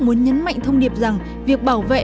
muốn nhấn mạnh thông điệp rằng việc bảo vệ